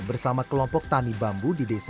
bersama kelompok tani bambu di desa